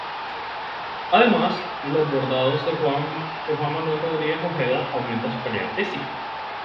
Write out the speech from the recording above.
Además, los bordados de Juan Manuel Rodríguez Ojeda aumentan su calidad artística.